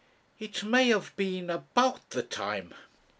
'It may have been about the time.'